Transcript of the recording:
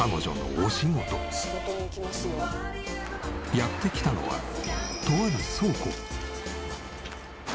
やって来たのはとある倉庫。